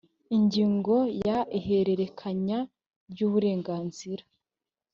ingingo ya ihererekanya ry uburenganzira